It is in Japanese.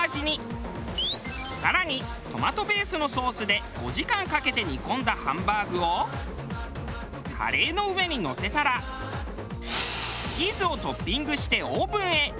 更にトマトベースのソースで５時間かけて煮込んだハンバーグをカレーの上にのせたらチーズをトッピングしてオーブンへ。